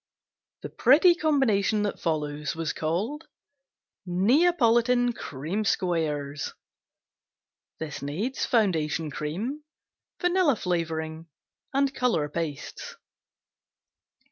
The pretty combination that follows was called Neapolitan Cream Squares Foundation cream. Vanilla flavoring and color pastes.